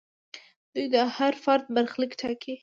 دوی د هر فرد برخلیک ټاکي.